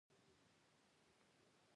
علم پر هر مسلمان فرض دی.